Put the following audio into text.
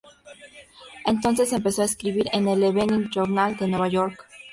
Entonces empezó a escribir en el "Evening Journal", de Nueva York.